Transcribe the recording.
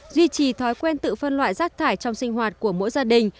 duy trì thói quen tự phân loại rác thải trong sinh hoạt của mỗi gia đình